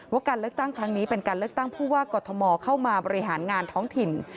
การเลือกตั้งครั้งนี้เป็นการเลือกตั้งผู้ว่ากอทมเข้ามาบริหารงานท้องถิ่น